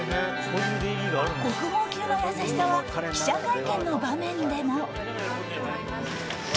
国宝級の優しさは記者会見の場面でも。